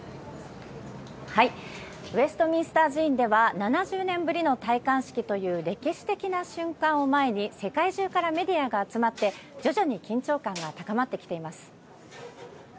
ウェストミンスター寺院では、７０年ぶりの戴冠式という歴史的な瞬間を前に、世界中からメディアが集まって、徐々に緊張感が高まってきています。